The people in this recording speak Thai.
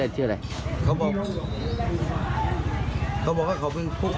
เขาบอกว่าเขาเป็นผู้กอง